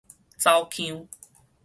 走腔